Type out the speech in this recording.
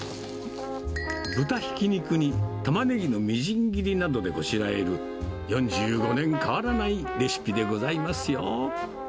豚ひき肉にタマネギのみじん切りなどでこしらえる４５年変わらないレシピでございますよ。